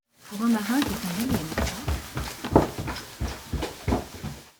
Pour un marin, c’est singulier, n’est-ce pas?